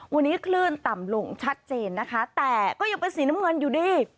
วันนี้คลื่นต่ำลงชัดเจนนะคะแต่ก็ยังเป็นสีน้ำเงินอยู่ดี